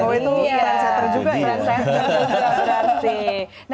presiden jokowi itu trendsetter juga ya